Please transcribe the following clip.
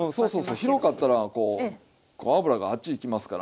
広かったらこう油があっちいきますから。